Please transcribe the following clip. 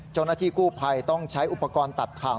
เจ้าหน้าที่กู้ภัยต้องใช้อุปกรณ์ตัดทาง